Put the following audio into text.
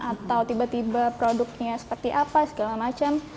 atau tiba tiba produknya seperti apa segala macam